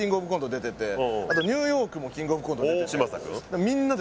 あとニューヨークもキングオブコント出てて嶋佐くん？